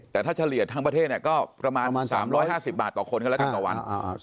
แต่ถ้าเฉลี่ยทั้งประเทศก็ประมาณ๓๕๐บาทต่อคนก็แล้วกันต่อวัน